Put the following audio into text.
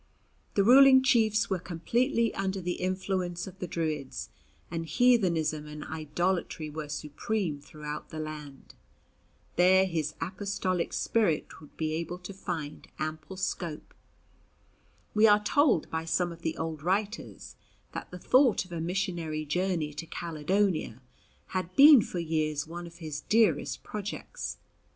The ruling chiefs were completely under the influence of the Druids, and heathenism and idolatry were supreme throughout the land. There his apostolic spirit would be able to find ample scope. We are told by some of the old writers that the thought of a missionary journey to Caledonia had been for years one of his dearest projects.